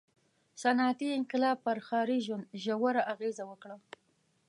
• صنعتي انقلاب پر ښاري ژوند ژوره اغېزه وکړه.